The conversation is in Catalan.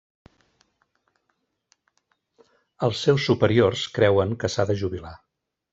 Els seus superiors creuen que s'ha de jubilar.